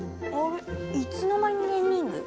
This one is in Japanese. いつの間にねんリング？